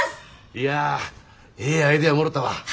いやええアイデアもろたわ。